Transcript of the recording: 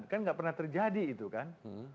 kan nggak pernah terjadi itu kan